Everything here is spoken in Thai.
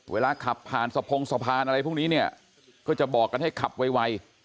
เวลาขับผ่านสะพงสะพานอะไรพวกนี้เนี่ยก็จะบอกกันให้ขับไว